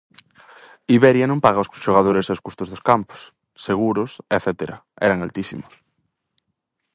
Iberia non paga aos xogadores e os custos dos campos, seguros etcétera, eran altísimos.